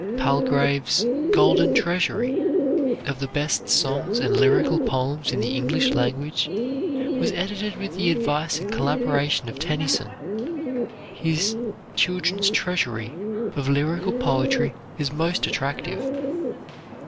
Palgrave's "Golden Treasury" of the best songs and lyrical poems in the English language was edited with the advice and collaboration of Tennyson. His "Children's Treasury" of lyrical poetry is most attractive.